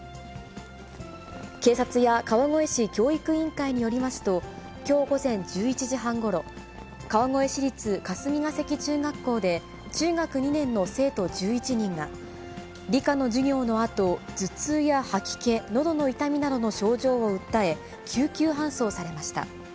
警察や川越市教育委員会によりますと、きょう午前１１時半ごろ、川越市立霞ヶ関中学校で、中学２年の生徒１１人が、理科の授業のあと、頭痛や吐き気、のどの痛みなどの症状を訴え、救急搬送されました。